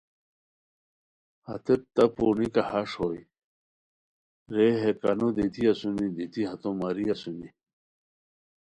ہتیت تہ پورنیکہ ہݰ ہوئے رے ہے کانو دیتی اسونی، دیتی ہتو ماری اسونی